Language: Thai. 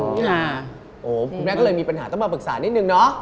คุณแม่ก็เลยมีปัญหาต้องมาปรึกษานิดนึงเนาะ